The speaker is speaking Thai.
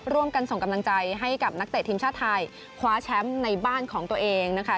ร่วมกันส่งกำลังใจให้กับนักเตะทีมชาติไทยคว้าแชมป์ในบ้านของตัวเองนะคะ